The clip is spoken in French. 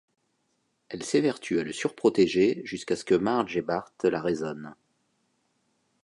Elle s'évertue à le surprotéger jusqu'à ce que Marge et Bart la raisonnent.